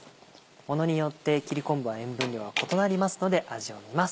ものによって切り昆布は塩分量が異なりますので味を見ます。